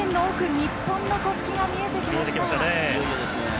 日本の国旗が見えてきました。